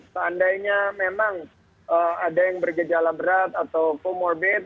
seharusnya kalau memang ada yang bergejala berat atau comorbid